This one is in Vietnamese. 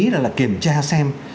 là kiểm tra xem